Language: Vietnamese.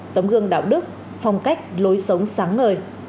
tấm gương đạo đức phong cách lối sống sáng ngời